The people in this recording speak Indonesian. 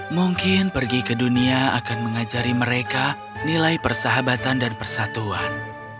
mungkin pergi ke dunia akan mengajari mereka nilai persahabatan dan persatuan